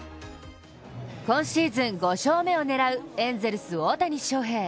今シーズン５勝目を狙うエンゼルス・大谷翔平。